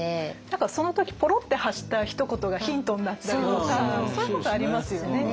何かその時ぽろって発したひと言がヒントになったりとかそういうことありますよね。